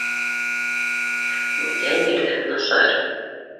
Бүтән ерҙә насар!